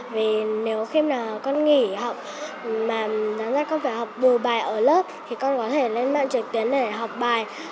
vì nếu khi nào con nghỉ học mà dám ra con phải học đủ bài ở lớp thì con có thể lên mạng truyền tiến để học bài